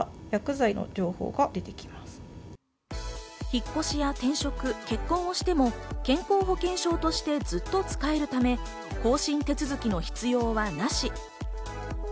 引っ越しや転職、結婚をしても健康保険証としてずっと使えるため、更新手続きの必要はなし。